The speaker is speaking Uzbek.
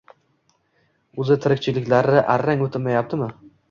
O`zi, tirikchiliklari arang o`tmayaptimi